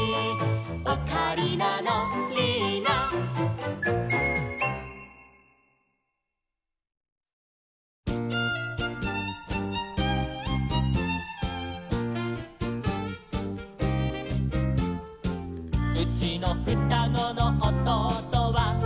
「オカリナのリーナ」「うちのふたごのおとうとは」